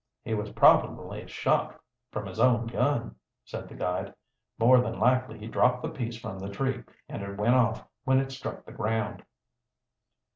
"He was probably shot from his own gun," said the guide. "More than likely he dropped the piece from the tree, and it went off when it struck the ground."